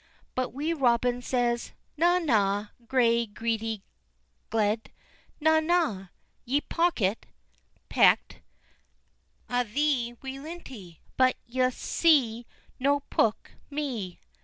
But Wee Robin says: "Na, na! gray greedy gled, na, na! Ye pookit (pecked) a' the wee lintie, but ye'se no pook me."